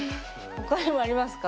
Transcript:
他にもありますか？